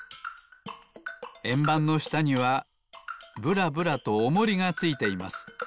えんばんのしたにはぶらぶらとおもりがついています。